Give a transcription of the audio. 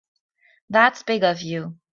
That's big of you.